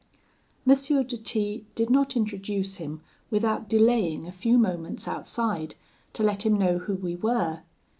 "M. de T did not introduce him without delaying a few moments outside, to let him know who we were.